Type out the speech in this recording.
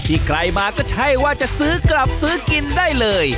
ใครมาก็ใช่ว่าจะซื้อกลับซื้อกินได้เลย